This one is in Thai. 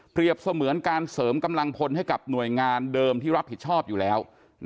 เสมือนการเสริมกำลังพลให้กับหน่วยงานเดิมที่รับผิดชอบอยู่แล้ว